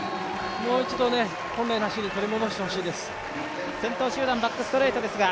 もう一度本来の走り取り戻してほしいです。